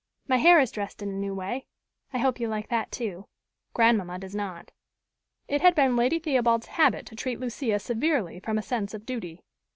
My hair is dressed in a new way. I hope you like that too. Grandmamma does not." It had been Lady Theobald's habit to treat Lucia severely from a sense of duty.